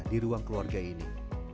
di ruang keluarga ini